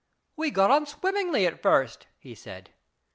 " We got on swimmingly at first," he said.